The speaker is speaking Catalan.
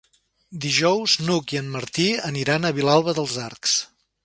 Dijous n'Hug i en Martí aniran a Vilalba dels Arcs.